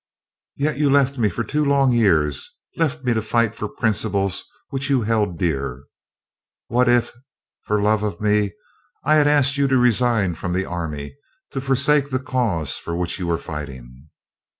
"Yet you left me for two long years, left me to fight for principles which you held dear. What if, for love of me, I had asked you to resign from the army, to forsake the cause for which you were fighting?"